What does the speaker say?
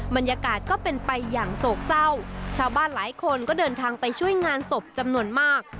บรรยากาศก็เป็นไปอย่างโศกเศร้าชาวบ้านหลายคนก็เดินทางไปช่วยงานศพจำนวนมาก